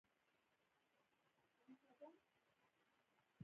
تالابونه د افغانانو د ګټورتیا یوه مهمه برخه ده.